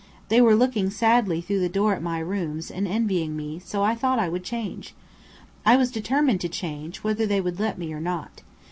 They were looking sadly through the door at my rooms and envying me, so I thought I would change. I was determined to change, whether they would let me or not.